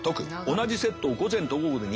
同じセットを午前と午後で２回。